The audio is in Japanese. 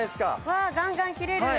わあガンガン切れる。